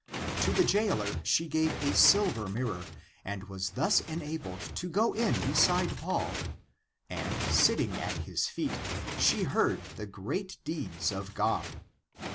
To the jailer she gave a silver mirror, and was thus enabled to go in beside Paul, and sitting at his feet, she heard the great deeds of God.